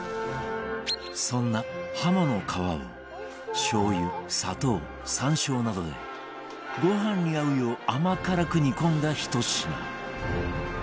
そんなはもの皮をしょう油砂糖山椒などでご飯に合うよう甘辛く煮込んだひと品